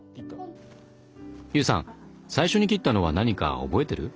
悠さん最初に切ったのは何か覚えてる？